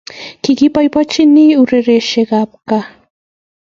Kibaibaitynchini urerioshek ab kaa